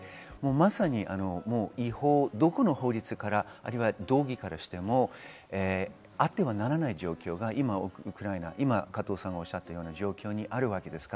まさに違法、どこの法律からあるいは道義からしても、あってはならない状況が今ウクライナ、加藤さんがおっしゃったような状況にあります。